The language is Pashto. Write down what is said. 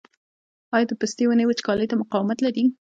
آیا د پستې ونې وچکالۍ ته مقاومت لري؟